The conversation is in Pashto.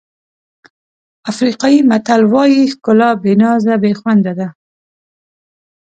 افریقایي متل وایي ښکلا بې نازه بې خونده ده.